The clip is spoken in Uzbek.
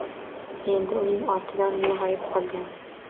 Endi uning ortidan mung’ayib qolgan